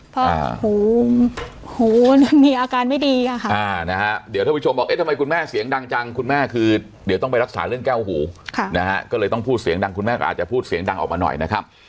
พอหูหูยังมีอาการไม่ดีอะค่ะนะฮะเดี๋ยวท่านผู้ชมบอกเอ๊ะทำไมคุณแม่เสียงดังจังคุณแม่คือเดี๋ยวต้องไปรักษาเรื่องแก้วหูนะฮะก็เลยต้องพูดเสียงดังคุณแม่ก็อาจจะพูดเสียงดังออกมาหน่อยนะครับ